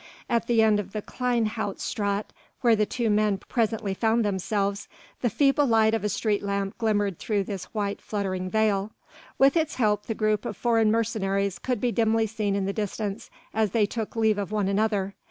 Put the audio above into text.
At the end of the Kleine Hout Straat where the two men presently found themselves, the feeble light of a street lamp glimmered through this white fluttering veil: with its help the group of foreign mercenaries could be dimly seen in the distance as they took leave of one another.